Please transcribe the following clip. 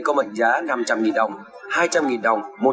có mệnh giá năm trăm linh đồng hai trăm linh đồng